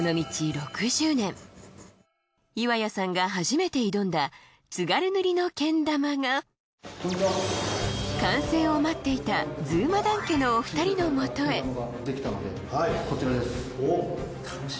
６０年岩谷さんが初めて挑んだ津軽塗のけん玉が完成を待っていたずまだんけのお二人の元へできたのでコチラです